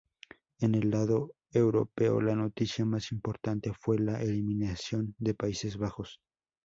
En el lado europeo, la noticia más importante fue la eliminación de Países Bajos.